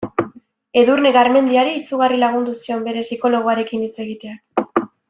Edurne Garmendiari izugarri lagundu zion bere psikologoarekin hitz egiteak.